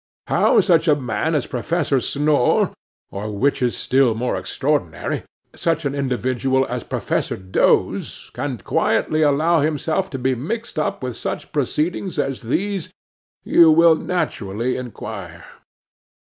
How such a man as Professor Snore, or, which is still more extraordinary, such an individual as Professor Doze, can quietly allow himself to be mixed up with such proceedings as these, you will naturally inquire.